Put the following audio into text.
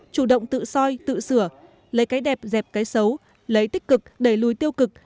chủ động tự soi tự sửa lấy cái đẹp dẹp cái xấu lấy tích cực đẩy lùi tiêu cực